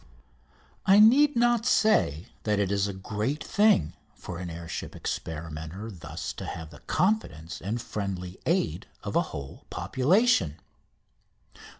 I need not say that it is a great thing for an air ship experimenter thus to have the confidence and friendly aid of a whole population.